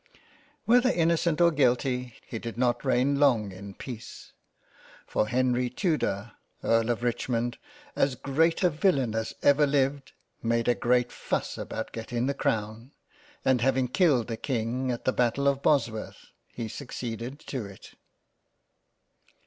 Whether innocent or guilty, he did not reign long in peace, for Henry Tudor E. of Richmond as great a villain as ever lived, made a great fuss about getting the Crown and having killed the King at the battle of Bos worth, he succeeded to it.